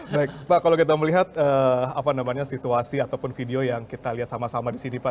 baik pak kalau kita melihat situasi ataupun video yang kita lihat sama sama di sini pak